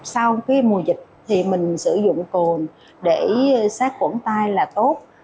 sau mùa dịch thì mình sử dụng cồn để xác quẩn tay là tốt